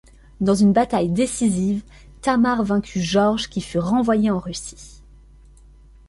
Dans une bataille décisive, Tamar vaincu Georges qui fut renvoyé en Russie.